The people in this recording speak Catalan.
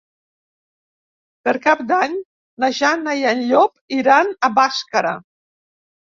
Per Cap d'Any na Jana i en Llop iran a Bàscara.